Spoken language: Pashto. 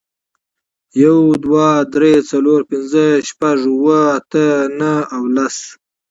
یو، دوه، درې، څلور، پینځه، شپږ، اووه، اته، نهه او لس